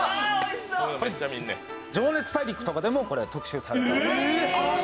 「情熱大陸」とかでも特集されています。